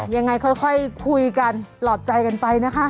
ยังไงค่อยคุยกันหลอดใจกันไปนะคะ